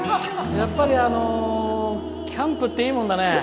やっぱりキャンプっていいもんだね。